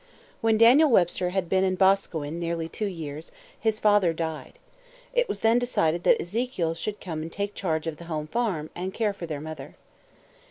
When Daniel Webster had been in Boscawen nearly two years, his father died. It was then decided that Ezekiel should come and take charge of the home farm, and care for their mother.